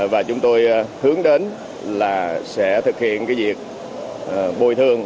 và chúng tôi hướng đến là sẽ thực hiện cái việc bồi thường